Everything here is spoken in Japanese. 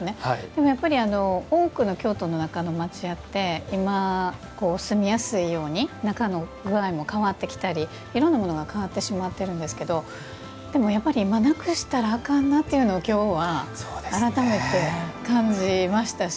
でも、やっぱり多くの京都の中の町家って今、住みやすいように中の具合も変わってきたりいろんなものが変わってしまってるんですけどでも、やっぱりなくしたらあかんなというのを今日は改めて感じましたし